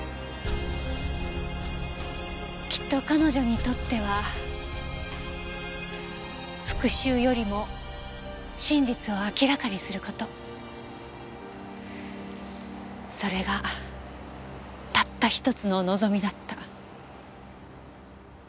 きっと彼女にとっては復讐よりも真実を明らかにする事それがたった一つの望みだった。